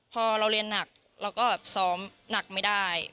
พอเราเรียนหนักเราก็แบบซ้อมหนักไม่ได้